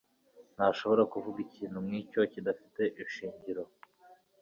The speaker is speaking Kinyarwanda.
Ntashobora kuvuga ikintu nkicyo kidafite ishingiro.